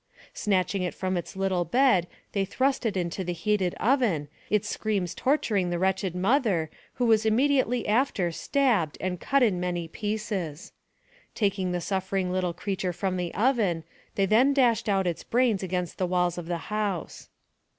Snatching it from its little bed they thrust it into the heated oven, its screams torturing the wretched mother, who was immediately after stabbed and cut in many pieces. Taking the suffering little creature from the oven, they then dashed out its brains against the walls of the house.